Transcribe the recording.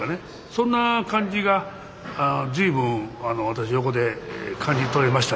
そんな感じが随分私横で感じ取れましたね。